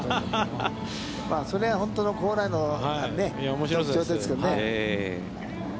まあ、それが本当の高麗の特徴ですけどね。